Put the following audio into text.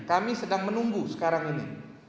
kami sedang menunggu sekarang ini